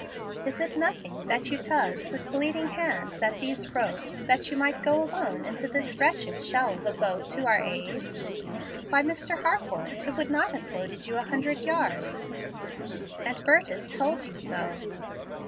"Is it nothing that you tugged with bleeding hands at these ropes, that you might go alone in this wretched shell of a boat to our aid? Why, Mr. Harcourt, it would not have floated you a hundred yards, and Burtis told you so.